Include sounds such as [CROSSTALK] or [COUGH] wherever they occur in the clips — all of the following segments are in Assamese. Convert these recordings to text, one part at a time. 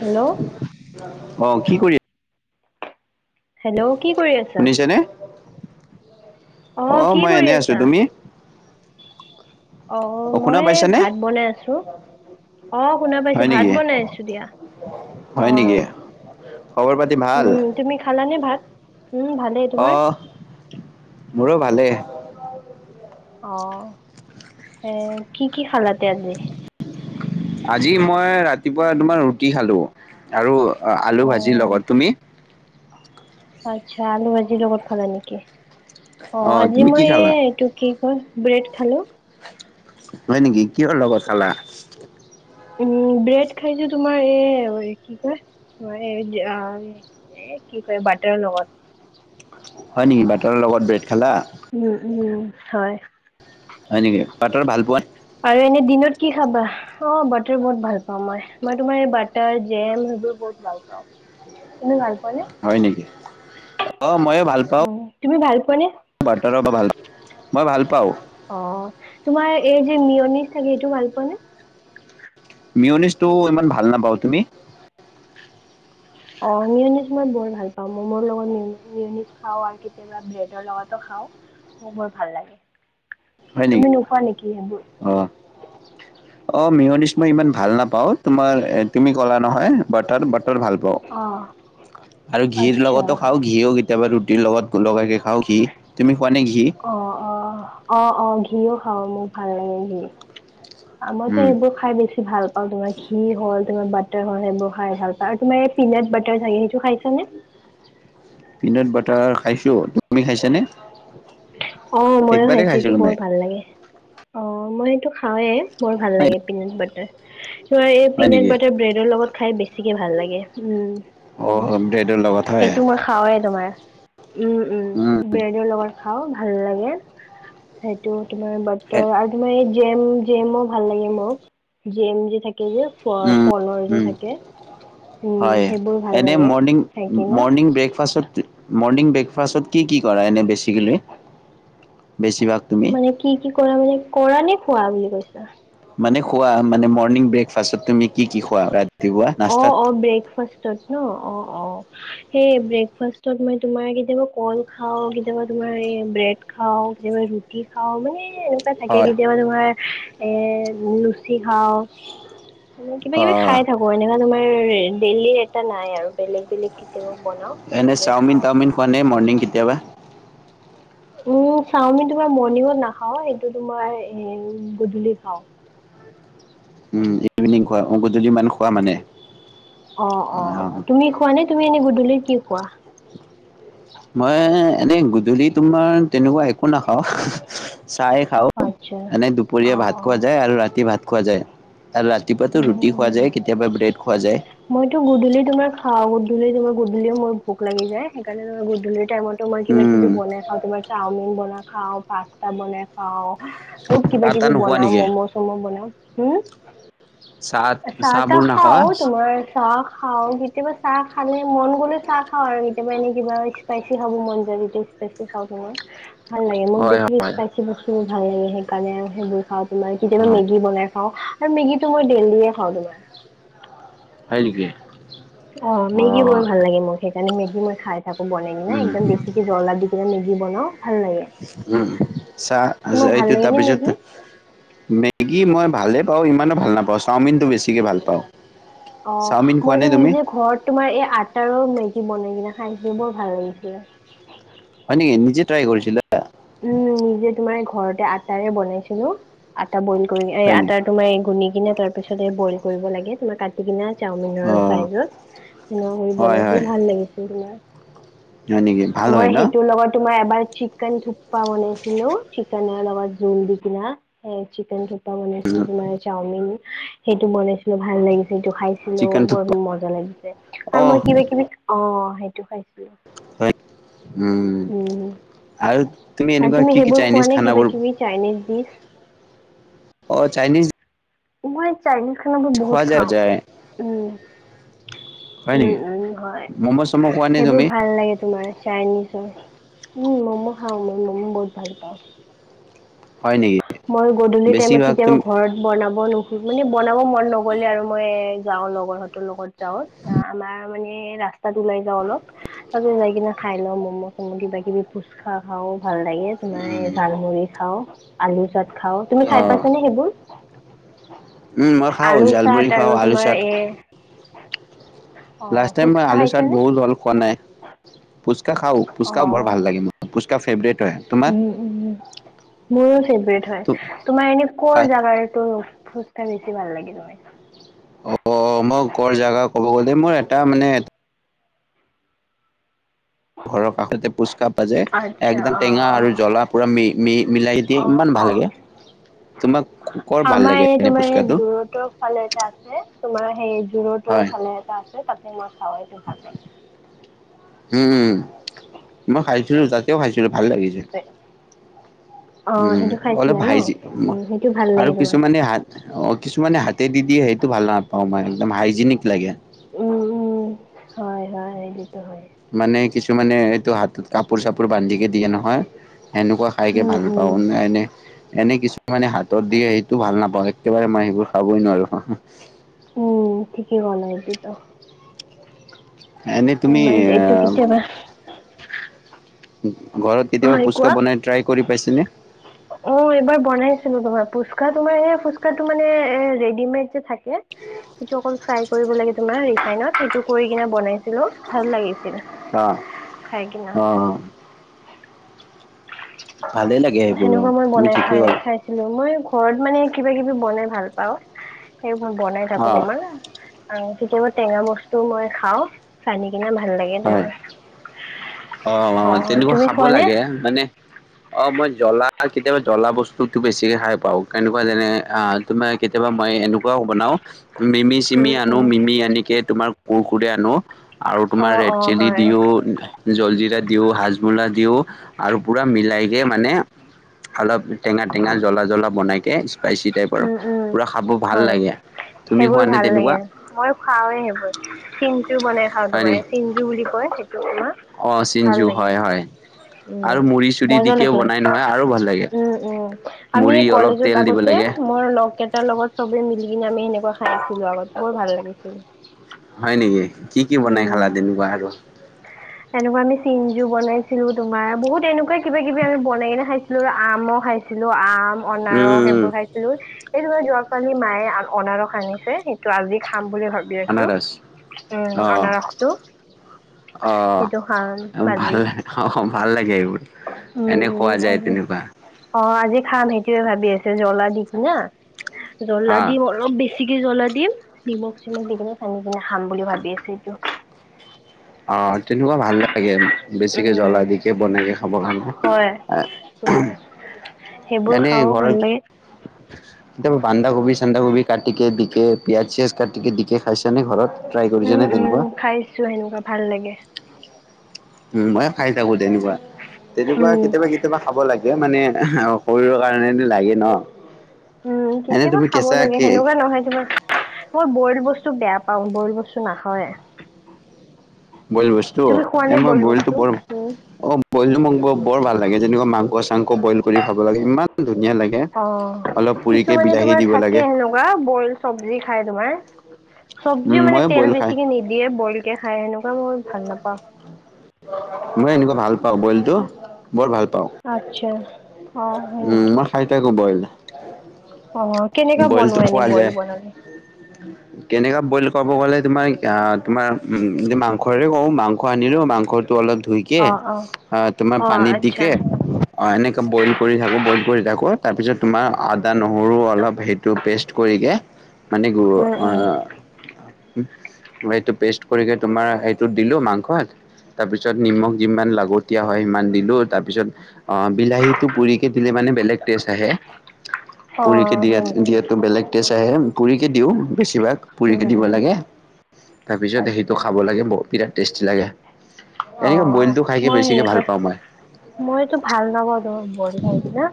হেল্ল' অ কি কৰি হেল্ল কি কৰি আছা? শুনিছে নে? অ', কি মই কৰি এনে আছো আছা? তুমি? অ', শুনা মই পাইছানে ভাত বনাই আছো। অহ শুনা পাইছো হয় ভাত নেকি বনাইছো দিয়া হয় অহ। নেকি খবৰ পাতি ভাল। উম ভালেই তোমাৰ? অ', মোৰো ভালেই। অহ এ কি কি খালাতে আজি? আজি মই ৰাতিপুৱা তোমাৰ ৰুটি খালো, আৰু। অ', আলু ভাজিৰ লগত, তুমি? আটছা আলু ভাজিৰ লগত খালা নেকি অ আজি তুমি কি মই খালা এই এইটো কি। হয়। ব্ৰেড খালো। হয় নেকি কিহৰ লগত খালা। উম' ব্ৰেড খাইছো তোমাৰ এ কি কয়। তোমাৰ এই এতিয়া কি কয় বাটাৰ লগত। হয় নেকি বাটাৰৰ লগত ব্ৰেড খালা। উম উম হয়। হয় নেকি, বাটাৰ ভাল পোৱা। আৰু এনে দিনত কি খাবা অ বাটাৰ বহুত ভাল পাওঁ মই মই তোমাৰ বাটাৰ জেম। সেইবোৰ বহুত ভাল পাওঁ। তুমি ভাল পো হয় নেকি অ ময়ো ভাল পাওঁ। উম তুমি ভাল পোৱা নে? বাটা ৰ ভাল মই ভাল। পাওঁ অ তোমাৰ এই যে মিয়নিজ থাকে সেইটো ভাল পোৱা নে? মিউনিছটো ইমান ভাল নাপাওঁ, তুমি? অ', মিউনিছ মই বৰ ভাল পাওঁ, ম'মৰ লগত মিউনিছ খাওঁ। আৰু কেতিয়াবা, ব্ৰেডৰ লগতো খাওঁ। মোৰ বৰ ভাল লাগে। হয় তুমি নেকি? নোখোৱা নেকি সেইবোৰ? অহ', অহ' মিয়নিশ মই ইমান ভাল নাপাওঁ। অহ' তোমাৰ তুমি এ ক'লা নহয়, বাটাৰ বাটৰ। ৰ ভাল পাওঁ অ আৰু ঘিৰ আচ্ছা। লগতো খাওঁ ঘিও কেতিয়াবা ৰুটিৰ লগত, গোলকাকে খাওঁ ঘী তুমি। খোৱা নে ঘি? অ অ অ অ ঘিও খাও মোক ভাল লাগে ঘি। মইতো উম, সেইবোৰ খাই বেছি ভাল পাও তোমাৰ ঘি হল। তোমাৰ বাটাৰ হ'ল, সেইবোৰ খাই ভাল পায়। আৰু তোমাৰ এই পিনট্ বাটাৰ থাকে সেইটো খাইছা নে। পিনাট বাটাৰ খাইছো। তুমি খাইছানে? অ ময়ো একবাৰেই খাইছো এইটো খাইছিলোঁ বৰ মই। ভাল লাগে অ মই সেইটো খাওঁৱে। বৰ ভাল হয় লাগে পিনাট বাটাৰ ত' এই হয় পিনাট্ নেকি? বাটাৰ ব্ৰেডৰ লগত খাই, বেছিকে ভাল লাগে উম,। অ', ব্ৰেডৰ লগত হয়, সেইটো মই খাওঁৱে তোমাৰ উম উম বিৰিয়ানিৰ লগত খাও ভাল লাগে সেইটো। তোমাৰ এ মাত্ৰ, আৰু তোমাৰ জেম-জেমও ভাল লাগে মোক। জেম যে থাক যদিও, উম, ফ-ফলৰ যি উম, থাকে। উম হয় সেইবোৰ ভাল এনে লাগে মৰ্ণিং খাই কিনা। মৰ্ণিং ব্ৰেকফাষ্ট মৰ্ণিং বেক ফাষ্টতি কি কৰা। এনে, বেছিগেলি মানে কি কি কৰা মানে কৰা নে খোৱা বুলি কৈছা। মানে খোৱা মানে মৰ্ণিং ব্ৰেকফাষ্টত তুমি কি কি খোৱাবেদ। অ অ ব্ৰেকফাষ্টত ন অ অ। হে ব্ৰেকফাষ্টত মই তোমাৰ কেতিয়াবা কল খাওঁ কেতিয়াবা তোমাৰ এই ব্ৰেড খাওঁ। কেতিয়াবা ৰুটি খাওঁ মানে। এ এনেকুৱা থাকে হয় কেতিয়াবা তোমাৰ, এ গোল লুচি খাওঁ। মানে কিবা অ কিবি খাই থাকো। এনেকা তোমাৰ, ডেইলি এটা নাই আৰু বেলেগ বেলেগ কেতিয়াবা। বনাও। এনেই সেইটোৱে খাওঁ। চাওমিন-তাওমিন খোৱা নে, মৰ্নিং কেতিয়াবা। উম চাওমিন তোমাৰ মৰ্ণিঙত নাখাও সেইটো তোমাৰ গধূলি খাওঁ উম' ইভিনিং খোৱা গধুলি মান খোৱা মানে। অ অ তুমি খোৱা নে তুমি এনেই গধূলি কি খোৱা। মই এনেই গধূলি তোমাৰ, তেনেকুৱা একো নাখাওঁ। [UNINTELLIGIBLE] চাই খাওঁ আচ্ছা মানে অ দুপৰীয়া ভাত অ খোৱা যায় আৰু ৰাতি ভাত খোৱা যায়। আৰু ৰাতিপুৱাাটো উম ৰুটি খোৱা উম যায়, কেতিয়াবা ব্ৰেড খোৱা যায়। মইতো গধূলি তোমাৰ খাওঁ গধূলি তোমাৰ গধূলিও মোৰ ভোক লাগি যায়, সেইকাৰণে মই গধূলি টাইমতো মই উম কিবা-কিবি বনাই খাওঁ, তোমাৰ চাওমিন বনা খাওঁ, পাস্তা বনাই খাওঁ, বহুত চাহ তাহ কিবা-কিবি নোখোৱা বনাও, নেকি ম'ম'-চম' বনাও হুম, চাহ চাহবোৰ চাহ-তাহ নাখোৱা খাওঁ তোমাৰ চাহ খাওঁ। ই কেতিয়াবা চাহ খালে মন গ'লে চাহ খাও আৰু, কেতিয়াবা এনে কিবা স্পাইচী খাব মন যাই স্পাইচী খাওঁ। ৰ ভাল লাগে, মোক হয় বেছিকে হয় স্পাইচি বস্তুবোৰ ভাল লাগে। সেইকাৰণে আৰু সেইবোৰ তোমাৰ কেতিয়াবা হয় মেগী বনাই খাওঁ। আৰু মেগীটো মই ডেইলী এ খাওঁ তোমাৰ। তিকে অ, মেগী বৰ ভাল লাগে মোৰ, সেইকাৰণে মেগী মই খাই থাকো বনাই কিনে, উম একদম বেছিকে জ্বলা দি কেনে, মেগি বনাওঁ। উম। চাহ তোমাক যা ভাল এইটো লাগে নে মেগী তাৰপিছত মে ই মই ভালেই পাওঁ, ইমানো ভাল নাপাওঁ। চাওমিনটো বেছিকে ভাল পাওঁ। অ, চাওমিন খোৱা নে মইতো তুমি? নিজে ঘৰত তোমাৰ এই আটাৰৰ মেগী বনাই কিনে খাইছোঁ, বৰ ভাল লাগিছিলে। হয় নেকি? নিজে ট্ৰাই কৰিছিলা উম, নিজে তোমাৰ ঘৰতে আটা তাৰে বনাইছিলোঁ, আটা বইল হয় নেকি? কৰি-এ-আটাটো মই গুলি কিনে তাৰ তাৰপিছতে বইল কৰিব লাগে, তোমাৰ কাটি কিনে চাওমিনৰ অ' চাইজত, সেনেকুৱা কৰি হয় হয় বনাইছিলোঁ, ভাল লাগিছিল তোমাৰ। হয় নেকি ভাল হয় মই ন? সেইটোৰ লগত তোমাৰ এবাৰ চিকেন থুপ্পা বনাইছিলো, চিকেনৰ লগত জোল দি কিনা, এ চিকেন থুপ বনাইছিলোঁ তোমাৰ, চাওমিন সেইটো বনাইছিলোঁ, ভাল লাগিছিল। সেইটো খাইছিলোঁ চিকেন বৰ থুপা মজা লাগিছে, আৰু অ' মই কিবা-কিবি, অ' সেইটো খাইছিলোঁ। হয়, উম। উম আৰু তুমি আৰু এনেকুৱা কি কি সেইবোৰ খোৱা চাইনিজ নে কিবা খানাবোৰ কিবি চাইনিজ ডিচ? অ' চাইনিজ মই চাইনিজ খানাবোৰ খোৱা বহুত যায় খাওঁ। যায় উম। হয় উম, নেকি? উম হয়, ম'ম' চম' খোৱা নে সেইবোৰ তুমি? ভাল লাগে তোমাৰ চাইনিজৰ। উম, ম'ম খাওঁ মই ম'ম বহুত ভাল পাওঁ। হয় নেকি মই গধুলি টাইমত বেছিভাগ কেতিয়াবা তুমি ঘৰত বনাব নোখো, মানে বনাব মন নগ'লে আৰু মই যাওঁ, লগৰহতঁৰ লগত যাওঁ। আ আমাৰ মানে ৰাস্তাত ওলাই যাওঁ অলপ, তাৰপিছত যাই কিনে খাই লওঁ ম'ম'-চম' কিবা-কিবি, ফুচকা খাওঁ, ভাল লাগে, তোমাৰ জালমুড়ি খাওঁ। আলু চাট খাওঁ। তুমি খাই অ' পাইছানে সেইবোৰ? উম, মই খাওঁ, আলু চাট জালমুৰি আৰু খাওঁ, তোমাৰ আলুচাট। এ অ' লাষ্ট টাইম মই ফুচকা আলুচাট খাইছানে? বহুত হ'ল খোৱা নাই। ফুচ কা খাওঁ। অ পুচকা বৰ ভাল লাগে মোৰ, পুচকা ফেভৰেট। হয় উম, তোমাৰ? উম, মোৰো ফেভৰেট হয়। তোমাৰ এনে হয়। ক'ৰ জাগাৰটো ফুচকা বেছি ভাল লাগে তোমাৰ? অ', মই ক'ৰ জাগা ক'ব গ'লে মোৰ এটা মানে ঘৰৰ কাষতে পুচকা যে, আচ্ছা একদম অ টেঙা আৰু জ্বলা অ পুৰা মি-মি মিলাই দিয়ে, অ ইমান অ ভাল লাগে। তোমাক কৰ ভাল আমাৰ লাগে এই এনে তোমাৰ এই পুচকাটো যোৰহাটৰ ফালে এটা আছে। তোমাৰ হেই যোৰহাটৰ হয় ফালে এটা আছে, তাতে মই খাওঁ সেইতো ভাত। উম, মই খাইছিলোঁ, তাতেও খাইছিলোঁ। ভাল লাগিছে। অ উম, সেইটো খাইছিলা অলপ ন হাইজি, উম সেইটো ভাল আৰু লাগে তোমাৰ কিছুমানে হাত অ' কিছুমানে হাতত হাতেই দি দিয়ে, সেইটো ভাল নাপাওঁ মই, একদম হাইজেনিক লাগে। উম, উম, হয়, হয়। সেইটোতো হয় মানে, কিছুমানে এইটো হাতত কাপোৰ-চাপোৰ বান্ধি কে দিয়ে নহয়। এনেকুৱা খাইকে উম ভাল উম নাপাওঁ, এনে-এনে এনে কিছু মানে হাতত দিয়ে সেইটো ভাল নাপাওঁ একেবাৰে মই সেইবোৰ খাবই নোৱাৰো। উম, ঠিকেই গ'ল এই দুটা। এনে তুমি ইমান এইটো আহ কেতিয়াবা ঘৰত কেতিয়াবা হয় পুচকা কোৱা বনাই ট্ৰাই কৰি পাইছেনে। অ' এইবাৰ বনাইছিলো তোমাৰ ফুচকা তোমাৰ এই ফুচকাটো মানে এ ৰেডিমেড যে থাকে। সিটো অকল ফ্ৰাই কৰিব লাগে তোমাৰ ৰিফাইনত সেইটো কৰি কিনে বনাইছিলো ভাল লাগি অ' অ'-অ'। ভালেই লাগ সেনেকুৱা মই বনাই খাই খাইছিলো মই ঘৰত মানে কিবা কিবি বনাই ভাল পাওঁ। সেই মই বনাই থাকো অ', তোমাৰ, আ কেতিয়াবা টেঙা বস্তুও মই খাও [UNINTELLIGIBLE] কিনা ভাল লাগে তোমাৰ। অ অ'-অ' তেনেকুৱা তুমি খাব খোৱানে লাগে মানে, অ' মই জ্বলা কেতিয়াবা জ্বলা বস্তুটো বেছিকে খাই পাও। কেনেকুৱা যেনে অ' তোমাৰ কেতিয়াবা মই এনেকুৱাও বনাও উম মিমি-চিমি আনো উম মিমি আনিকে তোমাৰ কুৰকুৰে আনো। আৰু তোমাৰ অ ৰেড অ চিলি হয় দিও। জলজিৰা দিওঁ হাজমুলা দিওঁ আৰু পুৰা মিলাইকে মানে অলপ টেঙা- টেঙা জ্বলা- জ্বলা বনাইকে স্পাইচি টাইপ উম আৰু উম পুৰা খাব ভাল হয় লাগে। তুমি সেইবোৰ খোৱানে ভাল লাগে তেনেকুৱা মইও খাওৱে সেইবোৰ। চিঞ্জু বনাই খাওঁ তুমাৰ চিঞ্জু বুলি কয় সেইটো তোমাক। অঁ চিঞজু হয় হয় উম আৰু মুড়ি চুৰি মজা দিকেও লাগে বনাই নহয় আৰু ভাল লাগে উম উম আমি মুড়ি অলপ কলেজত তেল দিব আগতে লাগে মোৰ লগকেইটাৰ লগত চবে মিলি কিনে আমি সেনেকুৱা খাই আছিলো, আগতে বৰ ভাল লাগিছিল। হয় নেকি কি-কি বনাই খালা তেনেকুৱা আৰু। তেনেকুৱা আমি চিঞ্জু বনাইছিলো, তোমাৰ বহুত এনেকুৱা কিবা কিবি আমি বনাই কিনে খাইছিলো আৰু আম খাইছিলো আম অনাৰস উম সেইবোৰ খাইছিলো এইটো যোৱাকালি মায়ে অনাৰস আনিছে সেইটো আজি খাম। বুলি ভাবি আছো, আনাৰস উম অ আনাৰসটো। অ সেইটো খাম বাজি- [UNINTELLIGIBLE] বোৰ এনে খোৱা যায় তেনেকুৱা। [UNINTELLIGIBLE] খাম সেইটোয়ে ভাবি আছে জ্লা দি কিনা জ্লা হা দিম অলপ বেছি জলা দি দিম নিমখ চিমখ দি কিনে চানি কিনে খাম বুলি ভাবি আছো এইটো। অ' তেনেকুৱা ভাল লাগে। বেছিকৈ উম, জ্বলা দিকে বনায়ইকে খাবৰ কাৰণে। হয় তোমাৰ সেইবোৰ এনে খাও ঘৰত ভাল লাগে। কেতিয়াবা বানধাকবি চান্দাকবি কাটিকে দিকে পিয়াজ চিয়াজ কাটিকে দিকে খাইছা নে ঘৰত। ট্ৰাই কৰিছে উম, নাই উম, তেনেকুৱা? খাইছো সেনেকুৱা ভাল লাগে। উম মই খাই থাকো তেনেকুৱা- তেনেকুৱা উম, কেতিয়াবা-কেতিয়াবা খাব লাগে মানে শৰীৰৰ কাৰণেটো লাগে ন। উম, এনে কেতিয়াবা তুমি খাব লাগে কেঁচা সেনেকুৱা নহয় তোমাৰ মই বইল বস্তু বেয়া পাওঁ, বইল বস্তু নাখাওৱে। বইল বস্তু তুমি খোৱা এ নে মই বইল বইলটো বস্তু? বৰ উম। অ' বইলটো ম বৰ ভাল লাগে যেনেকুৱা মাংস মাংস বইল কৰি খাব লাগে ইমান ধুনীয়া লাগে অ অলপ পুৰিকে বিলাহী দিব লাগে। কল চব্জি খায় তোমাৰ? উম চব্জিও মানে মই তেল বইল খাই বেছিকে নিদিয়ে বইল কে খাই সেনেকুৱা মই ভাল নাপাওঁ। মই এনেকুৱা ভাল পাওঁ বইলটো। বৰ ভাল পাওঁ আত্ছা। উম মই খাই থাকো বইল। অ', কেনেকা বইলটো বনোৱা এনেই খোৱা বইল যায় বনালে। কেনেকা বইল কৰিব গলে তোমাৰ তোমাৰ উ মাংসৰে কওঁ মাংস আনিলো মাংস টো অলপ ধুইকে অ তোমাৰ অ পানীত দি আচ্ছা কে। অ' এনেকে বইল কৰি থাকো বইল কৰি থাকো তাৰপিছত তোমাৰ আদা। নহৰু অলপ সেইটো পেষ্ট কৰিকৈ মানে। উম উম এইটো পেষ্ট কৰি তোমাৰ সটো দিলো মাংসত। তাৰ পিছত নিমখ যিমান লাগতীয়া হয় সিমান দিলো তাৰ পিছত অ' বিলাহীতটো পুৰিকে দিলে মানে বেলেগ টেষ্ট আহে। অ হ যিহেতু বেলেগ টেষ্ট আহে পুৰিকে দিওঁ বেছিভাগ উম পুৰিকে দিব উম লাগে। তাৰপিছত সেইটো আচ্ছা খাব লাগে বিৰাট টেষ্টি লাগে। অ এনেকে বইলটো খাইকে মই বেছিকে ভাল সেনেকুৱা পাওঁ মই। মইতো ভাল নম্বৰ পাওঁ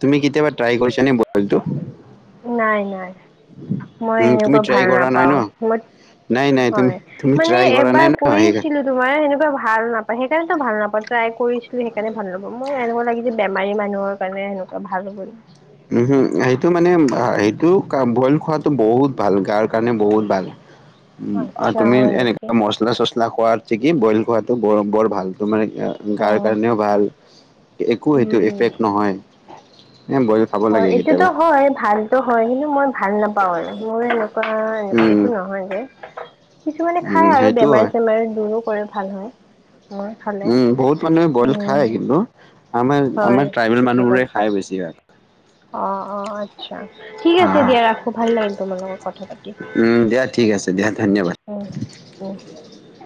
তুমি কেতিয়াবা ট্ৰাই কৰিছে ন বলটো। নাই নাই মই উম, তুমি এনেকুৱা ট্ৰাই ভাল কৰা নাই নাপাও ন? মই। নাই নাই তুমি হয় তুমি মানে ট্ৰাই কৰা নাই এবাৰ ন সেইকাৰণে কৰিছিলো তোমাৰ সেন [UNINTELLIGIBLE] ভাল নাপায় সেইকাৰণেতো ভাল নাপাওঁ টাই কৰিছিলো সেইকাৰণে ভাল নাপা মোৰ এনেুৱা লাগি যে বেমাৰী মানুহৰ কাৰণে। এনেকুৱা ভাল হল। উ হু সেইটো মানে সেইটো বইল খোৱাতটো বহুত ভাল গাৰ কাৰণে বহুত ভাল। উ আৰু আচ্ছা তুমি হয় নেকি এনেকুৱা মচলা চচলা খোৱা কি বইল খোৱাটো বৰ বৰ ভাল তো মানে। অ গাৰ কাৰণেও ভাল একো সেইটো এফেক্ট নহয়। বইল খাব হয় লাগে এইটোতো কেতিয়াবা। হয় ভালতো হয় কিন্তু মই ভাল নাপাও আৰু মোৰ। উম, এইটো নহয় যে। কিছুমানে খাই উম, আৰু সেইটো বেমাৰ হয়। চেমাৰ দূৰো কৰে ভাল হয়। মই খালে উম বহুত মানুহে বইল উম খায় কিন্তু। আমাৰ হয় আমাৰ ট্ৰাইবেল ঠিকেই ক'ল মানুহবোৰে খাই বেছিভাগ। অ' অ' আচ্ছা। ঠিক আছে আহ, দিয়া ৰাখো ভাল লাগিল তোমাৰ লগত কথা পাতি। উম, দিয়া ঠিক আছে দিয়া ধন্যবাদ। [INAUDIBLE]